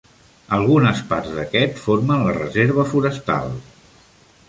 Algunes parts d'aquest formen la reserva forestal.